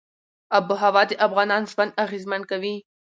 آب وهوا د افغانانو ژوند اغېزمن کوي.